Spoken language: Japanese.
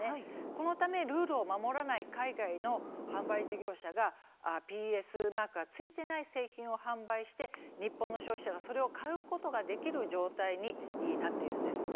このためルールを守らない海外の販売事業者がＰＳマークがついていない製品を販売して日本の消費者がそれを買うことができる状態になっているんです。